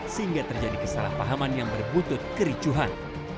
sehingga terjadi kesalahpahaman yang berbuntut kericuhan